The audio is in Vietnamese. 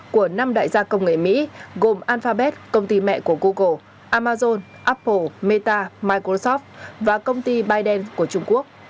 của năm đại gia công nghệ mỹ gồm alphabet công ty mẹ của google amazon apple meta microsoft và công ty biden của trung quốc